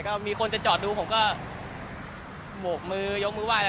ก็มีคนจะจอดดูผมก็โบกมือยกมือไห้